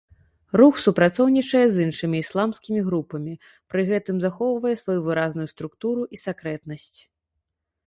Рух супрацоўнічае з іншымі ісламскімі групамі, пры гэтым захоўвае сваю выразную структуру і сакрэтнасць.